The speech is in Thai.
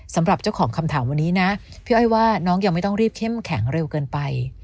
สำหรับเจ้าของคำถามวันนี้นะพี่อ้อยว่าน้องยังไม่ต้องรีบเข้มแข็งเร็วเกินไป